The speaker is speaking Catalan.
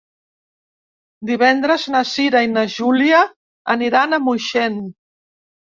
Divendres na Cira i na Júlia aniran a Moixent.